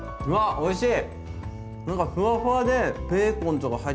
おいしい。